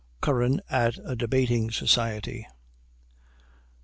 CURRAN AT A DEBATING SOCIETY.